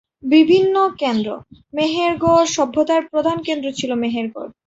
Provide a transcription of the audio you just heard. বিভিন্ন কেন্দ্র: মেহেরগড় সভ্যতার প্রধান কেন্দ্র ছিল মেহেরগড়।